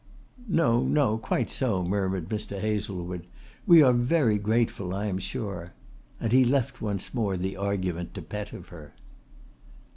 "No, no, quite so," murmured Mr. Hazlewood. "We are very grateful, I am sure," and he left once more the argument to Pettifer.